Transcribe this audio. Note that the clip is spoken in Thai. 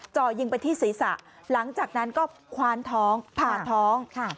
จ่อยิงไปที่ศีรษะหลังจากนั้นก็คว้านท้องผ่าท้อง